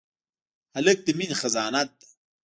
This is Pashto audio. هلک د مینې خزانه ده.